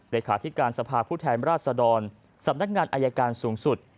เลขาธิการสภาพผู้แทนราชดรสำนักงานอายการสูงสุด